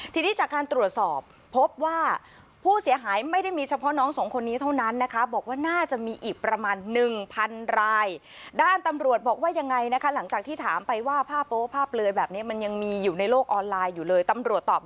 ทีนี้จากการตรวจสอบพบว่าผู้เสียหายไม่ได้มีเฉพาะน้องสองคนนี้เท่านั้นนะคะ